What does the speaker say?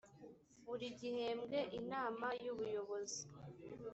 buri gihembwe inama y ubuyobozi